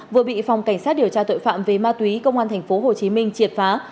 vừa bị phòng cảnh sát điều tra tội phạm về ma túy công an tp hcm triệt phá